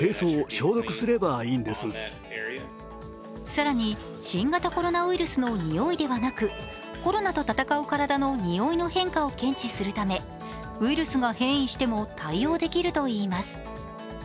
更に新型コロナウイルスのにおいではなくコロナと戦う体のにおいの変化を検知するためウイルスが変異しても対応できるといいます。